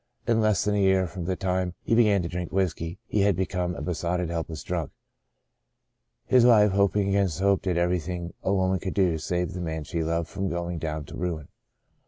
In less than a year from the time he began to drink whiskey, he had become a besotted, helpless drunkard. His wife, hoping against hope, did everything a woman could to save the man she loved from going down to ruin.